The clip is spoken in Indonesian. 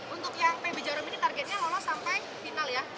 untuk yang pb jarum ini targetnya lolos sampai final ya